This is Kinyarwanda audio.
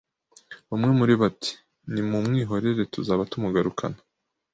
Umwe muri bo ati”nimumwihorere tuzaba tumugarukana,